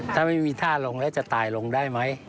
ถ้าไม่มีท่าลงแล้วจะตายลงได้ไหม